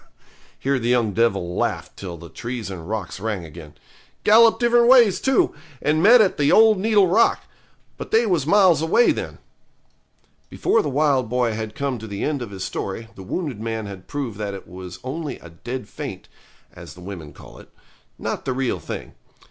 here the young devil laughed till the trees and rocks rang again. 'Gallop different ways, too, and met at the old needle rock. But they was miles away then.' Before the wild boy had come to the end of his story the wounded man had proved that it was only a dead faint, as the women call it, not the real thing.